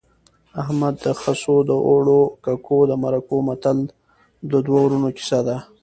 احمد د خسو د اوړو ککو د مرکو متل د دوو ورونو کیسه ده